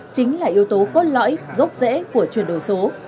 chính là yếu tố cốt lõi gốc rễ của chuyển đổi số